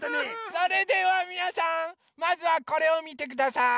それではみなさんまずはこれをみてください。